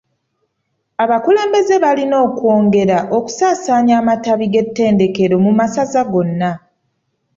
Abakulembeze balina okwongera okusaasaanya amatabi g’ettendekero mu masaza gonna.